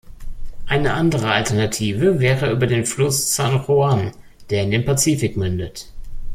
Eine andere Alternative wäre über den Fluss San Juan, der in den Pazifik mündet.